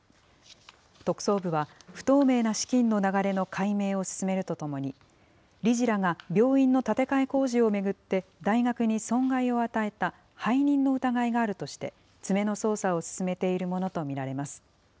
特捜部は不透明な資金の流れの解明を進めるとともに、理事らが病院の建て替え工事を巡って、大学に損害を与えた背任の疑いがあるとして、詰めの捜査を進めているものと見られます。